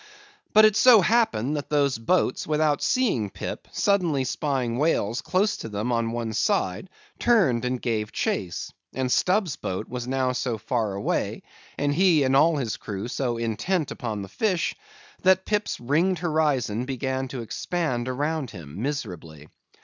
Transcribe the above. But it so happened, that those boats, without seeing Pip, suddenly spying whales close to them on one side, turned, and gave chase; and Stubb's boat was now so far away, and he and all his crew so intent upon his fish, that Pip's ringed horizon began to expand around him miserably.